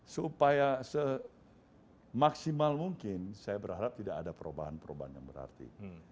supaya semaksimal mungkin saya berharap tidak ada perubahan perubahan yang berarti